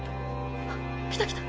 あっ来た来た。